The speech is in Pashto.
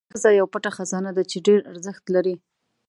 ښه ښځه یو پټ خزانه ده چې ډېره ارزښت لري.